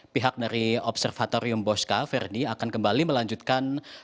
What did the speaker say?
pihak dari observatorium bosca verdi akan kembali melanjutkan